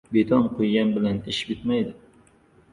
Beton quygan bilan ish bitmaydi.